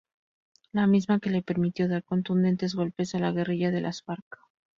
La misma que le permitió dar contundentes golpes a la guerrilla de las Farc".